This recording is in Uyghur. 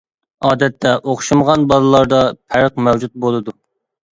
ئادەتتە ئوخشىمىغان بالىلاردا پەرق مەۋجۇت بولىدۇ.